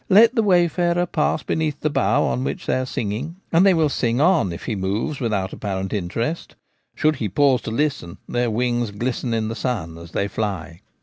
Let the wayfarer pass beneath the bough on which they are singing, and they will sing on, if he moves without apparent interest ; should he pause to listen, their wings glisten in the sun as they fly.